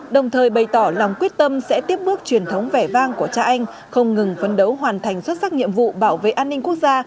đồng thời bày tỏ lòng quyết tâm sẽ tiếp bước truyền thống vẻ vang của cha anh không ngừng phấn đấu hoàn thành xuất sắc nhiệm vụ bảo vệ an ninh quốc gia